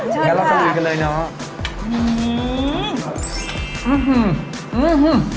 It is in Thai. เดี๋ยวเราสะวินกันเลยเนาะ